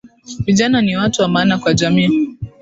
Vijana ni watu wa maana kwa jamii